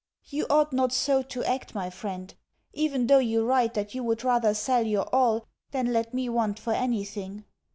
You ought not so to act, my friend, even though you write that you would rather sell your all than let me want for anything.